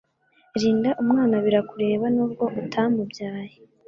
rinda umwana birakureba nubwo utamubyaye